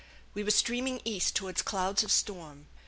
We were steaming east toward clouds of storm.